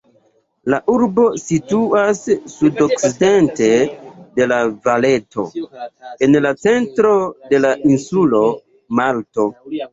La urbo situas sudokcidente de La-Valeto, en la centro de la insulo Malto.